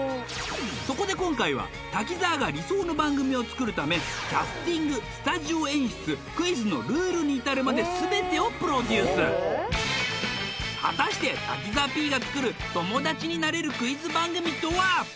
そこで今回は滝沢が理想の番組を作るためキャスティングスタジオ演出クイズのルールにいたるまですべてをプロデュース果たして滝沢Ｐが作る友達になれるクイズ番組とは？